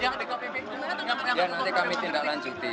ya nanti kami tindaklanjuti